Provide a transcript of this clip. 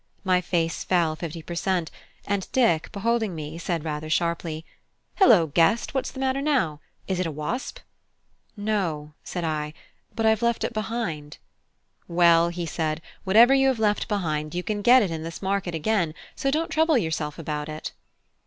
My face fell fifty per cent., and Dick, beholding me, said rather sharply "Hilloa, Guest! what's the matter now? Is it a wasp?" "No," said I, "but I've left it behind." "Well," said he, "whatever you have left behind, you can get in this market again, so don't trouble yourself about it."